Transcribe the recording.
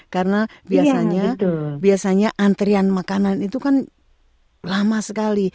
karena biasanya antrian makanan itu kan lama sekali